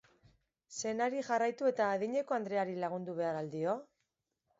Senari jarraitu eta adineko andreari lagundu behar al dio?